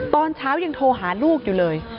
ตอนเช้ายังโทรหาลูกอยู่เลย